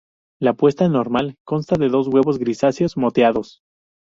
La puesta normal consta de dos huevos grisáceos moteados.